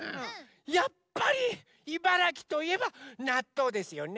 やっぱり茨城といえばなっとうですよね。